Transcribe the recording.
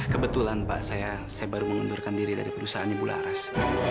kebetulan pak saya baru mengundurkan diri dari perusahaan ibu laras